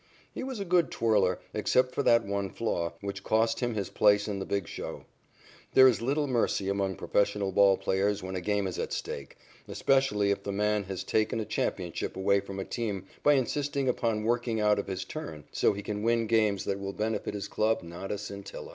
He was a good twirler, except for that one flaw, which cost him his place in the big show. There is little mercy among professional ball players when a game is at stake, especially if the man has taken a championship away from a team by insisting upon working out of his turn, so he can win games that will benefit his club not a scintilla.